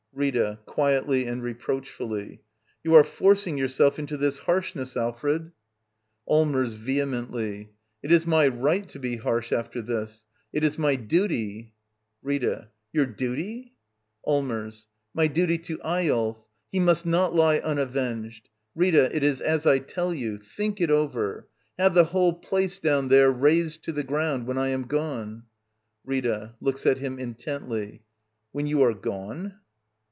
Rita. [Quietly and reproachfully.] You are forcing yourself into this harshness, Alfred. io6 d by Google Act in. ^ LITTLE EYOLF Allmers. [Vehemently.] I t is my rig ht to be harsh after this! ^Tt,iri my duiy f Rita. 'Your duty? Allmers. My duty to Eyolf. H e must not h'e ""av^pg^ft Rita, it is as I tell you ! Think it over ! lave the whole place down there razed to the ground— ^ when I am gone. Rita. [Looks at him intently.] When you are gone?